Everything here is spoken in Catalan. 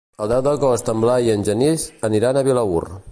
El deu d'agost en Blai i en Genís aniran a Vilaür.